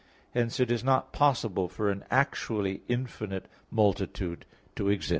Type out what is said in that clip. Hence it is not possible for an actually infinite multitude to exist.